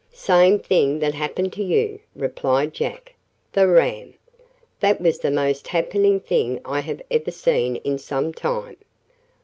"Same thing that happened to you," replied Jack. "The ram. That was the most happening thing I have seen in some time."